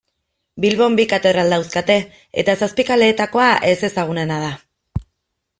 Bilbon bi katedral dauzkate eta Zapikaleetakoa ezezagunena da.